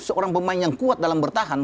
seorang pemain yang kuat dalam bertahan